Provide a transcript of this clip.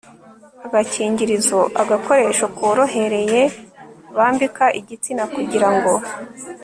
agakingirizo agakoresho korohereye bambika igitsina kugira ngo